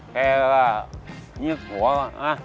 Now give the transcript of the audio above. แค่ว่านี่หัวนะ